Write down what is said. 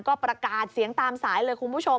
ก็ประกาศเสียงตามสายเลยคุณผู้ชม